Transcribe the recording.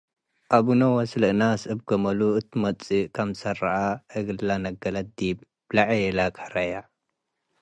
አቡነወስ ለእናስ እብ ገመሉ እት ልመጽኡ ክምሰል ረአ፣ እግለ ነገለት ዲብ ለዔለ ከረየ።